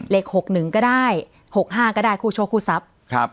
เลขหกหนึ่งก็ได้หกห้าก็ได้คู่โชคคู่ทรัพย์ครับ